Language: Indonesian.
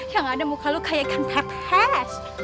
yang ada muka lu kayak ikan kertas